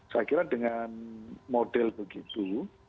saya kira dengan model begitu